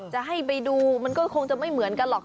จะให้ไปดูมันก็คงจะไม่เหมือนกันหรอก